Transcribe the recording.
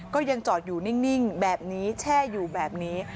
ก็ยังจอดอยู่นิ่งแบบนี้แช่อยู่แบบนี้